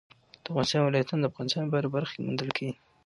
د افغانستان ولايتونه د افغانستان په هره برخه کې موندل کېږي.